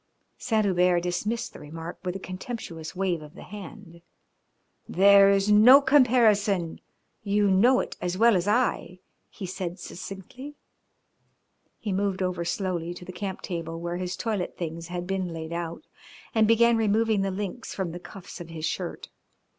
Saint Hubert dismissed the remark with a contemptuous wave of the hand. "There is to comparison. You know it as well as I," he said succinctly. He moved over slowly to the camp table, where his toilet things had been laid out, and began removing the links from the cuffs of his shirt.